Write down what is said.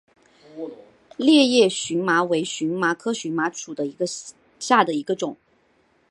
裂叶荨麻为荨麻科荨麻属下的一个种。